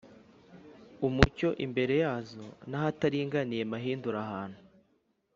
Umucyo f imbere yazo n ahataringaniye mpahindure ahantu